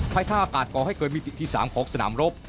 ท่าอากาศก่อให้เกิดมิติที่๓ของสนามรบ